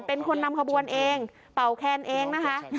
เป็นคนนำขบวนเองเป่าแคนเองนะคะ